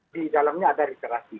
di dalamnya ada literasi